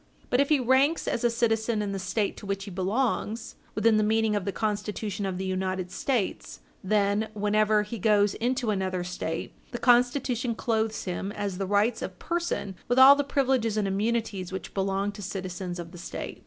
But if he ranks as a citizen in the State to which he belongs, within the meaning of the Constitution of the United States, then, whenever he goes into another State, the Constitution clothes him, as to the rights of person, will all the privileges and immunities which belong to citizens of the Page 60 U. S. 423 State.